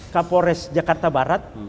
kapolres jakarta barat